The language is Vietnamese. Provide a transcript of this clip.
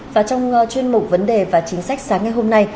và trong chuyên mục vấn đề và chính sách sáng ngày hôm nay